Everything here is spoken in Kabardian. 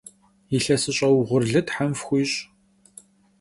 Yilhesış'e vuğurlı them fxuiş'!